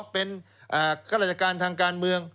เป็นกรรจการทางการเมือง